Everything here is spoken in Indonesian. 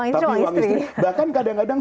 tapi uang istri bahkan kadang kadang